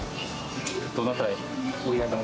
どなたへ？